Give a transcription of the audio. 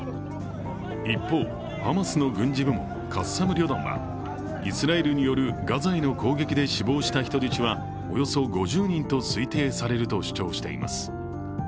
一方、ハマスの軍事部門、カッサム旅団はイスラエルによるガザへの攻撃で死亡した人質はおよそ５０人と推定されると主張しています。